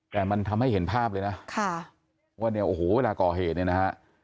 แต่มันทำให้เห็นภาพเลยนะคะก็เนี่ยโอ้โหเวลาก่อเหตุนะ